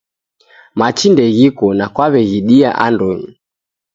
Machi ndeghiko na kwaw'eghidia andonyi